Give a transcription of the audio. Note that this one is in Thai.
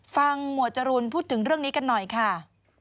หมวดจรูนพูดถึงเรื่องนี้กันหน่อยค่ะ